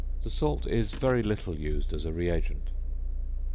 The salt is very little used as a reagent.